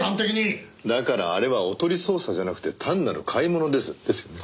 だからあれはおとり捜査じゃなくて単なる買い物です。ですよね？